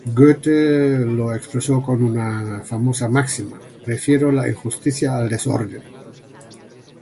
Goethe lo expresó con una famosa máxima: "Prefiero la injusticia al desorden".